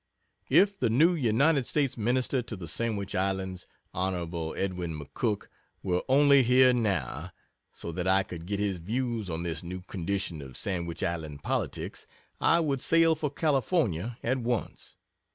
If the New United States Minister to the Sandwich Islands (Hon. Edwin McCook,) were only here now, so that I could get his views on this new condition of Sandwich Island politics, I would sail for California at once.